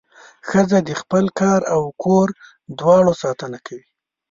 ښځه د خپل کار او کور دواړو ساتنه کوي.